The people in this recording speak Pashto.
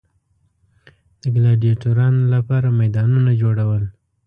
د ګلاډیټورانو لپاره میدانونه جوړول.